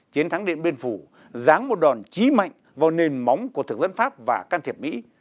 chiến thắng điện biên phủ ráng một đòn chí mạnh vào nền móng của thực dân pháp và can thiệp mỹ